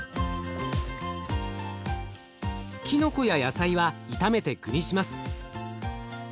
きのこや野菜は炒めて具にします。